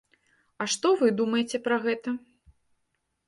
А што вы думаеце пра гэта?